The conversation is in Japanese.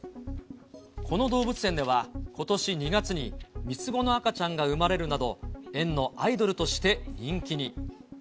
この動物園ではことし２月に、３つ子の赤ちゃんが生まれるなど、園のアイドルとして人気に。